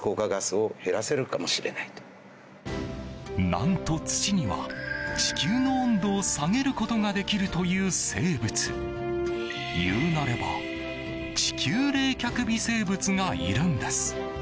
何と、土には地球の温度を下げることができるという生物いうなれば地球冷却微生物がいるんです。